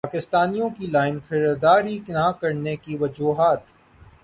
پاکستانیوں کی لائن خریداری نہ کرنے کی وجوہات